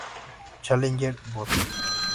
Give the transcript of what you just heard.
Challenger, Bot.